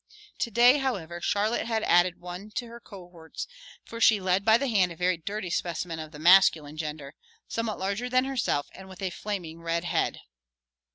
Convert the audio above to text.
To day, however, Charlotte had added one to her cohorts, for she led by the hand a very dirty specimen of the masculine gender, somewhat larger than herself and with a flaming red head.